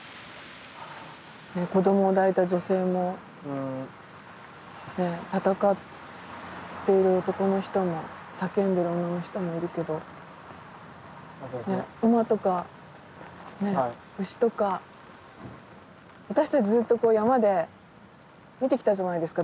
子供を抱いた女性も戦っている男の人も叫んでる女の人もいるけど馬とか牛とか私たちずっと山で見てきたじゃないですか